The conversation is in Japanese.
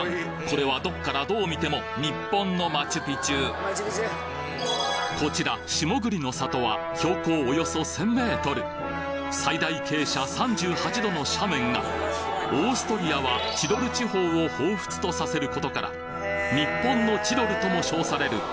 これはどっからどう見ても日本のマチュピチュこちら下栗の里は標高およそ１０００ｍ最大傾斜３８度の斜面がオーストリアはチロル地方を彷彿とさせることから日本の「チロル」とも称される